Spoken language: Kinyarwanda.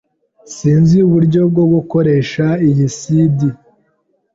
Sinzi uburyo bwo gukoresha iyi CD.